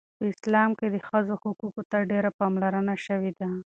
په اسلام کې د ښځو حقوقو ته ډیره پاملرنه شوې ده.